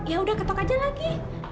ya udah ketok aja lagi